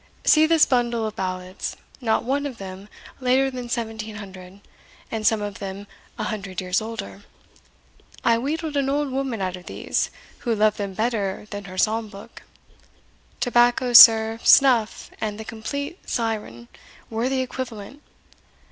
See this bundle of ballads, not one of them later than 1700, and some of them an hundred years older. I wheedled an old woman out of these, who loved them better than her psalm book. Tobacco, sir, snuff, and the Complete Syren, were the equivalent!